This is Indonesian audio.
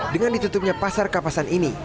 dengan ditutupnya pasar kapasan ini